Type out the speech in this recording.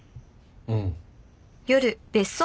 うん。